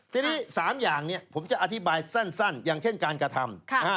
ทีนี้๓อย่างผมจะอธิบายสั้นอย่างเช่นการกระทำ